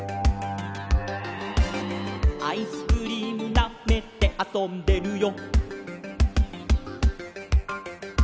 「アイスクリームなめてあそんでるよ」